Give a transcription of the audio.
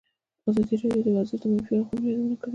ازادي راډیو د ورزش د منفي اړخونو یادونه کړې.